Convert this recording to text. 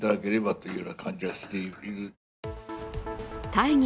大義